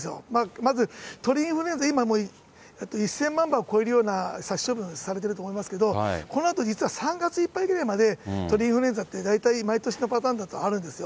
まず、鳥インフルエンザ、今、１０００万羽を超えるような殺処分されてると思うんですけど、このあと、実は３月いっぱいぐらいまで、鳥インフルエンザって、大体毎年のパターンだとあるんですよ。